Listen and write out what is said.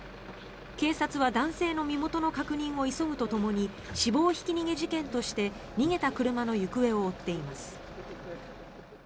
警察は男性の身元の確認を急ぐとともに死亡ひき逃げ事件として逃げた車の行方を追っています。